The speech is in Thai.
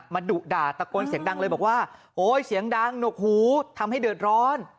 ดุด่าตะโกนเสียงดังเลยบอกว่าโอ๊ยเสียงดังหนกหูทำให้เดือดร้อน